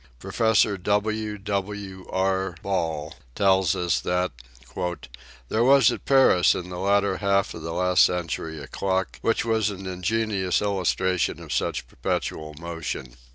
Professor W. W. R. Ball tells us that " there was at Paris in the latter half of last century a clock which was an ingenious illustration of such perpetual motion.